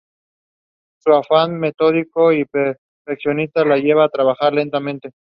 Su afán metódico y perfeccionista le llevaba a trabajar lentamente.